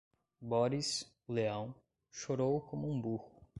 Boris, o leão, chorou como um burro.